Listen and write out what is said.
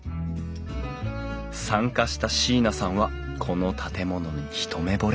参加した椎名さんはこの建物に一目ぼれ。